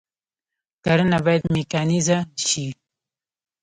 کرنه باید میکانیزه شي